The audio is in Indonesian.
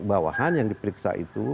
bawahan yang diperiksa itu